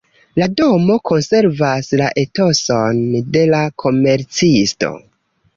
La domo konservas la etoson de la komercisto.